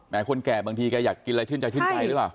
แม่คนแก่บางทีก็อยากกินอะไรขึ้นจากขึ้นไปหรือเปล่า